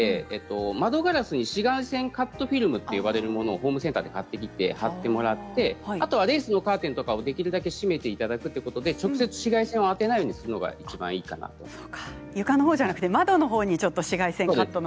窓ガラスに紫外線カットフィルムと呼ばれるものをホームセンターで買ってきて貼ってもらってあとはレースのカーテンをできるだけ閉めてもらって直接、紫外線を当てないほうがいいと思います。